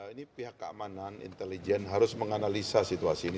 ini pihak keamanan intelijen harus menganalisa situasi ini